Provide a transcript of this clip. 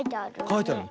かいてある。